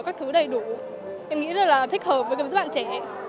các thứ đầy đủ em nghĩ là thích hợp với các bạn trẻ